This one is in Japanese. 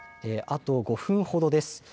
あと５分ほどです。